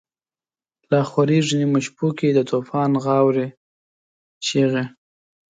لا خوریږی نیمو شپو کی، دتوفان غاوری چیغی